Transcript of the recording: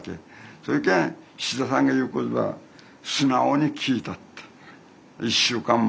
そやけん七田さんが言うことは素直に聞いたった。